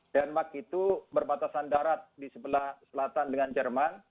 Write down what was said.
denmark itu berbatasan darat di sebelah selatan dengan jerman